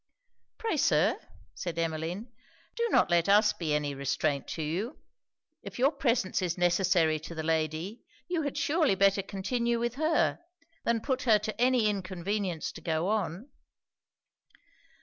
'Pray, Sir,' said Emmeline, 'do not let us be any restraint to you. If your presence is necessary to the lady, you had surely better continue with her, than put her to any inconvenience to go on.'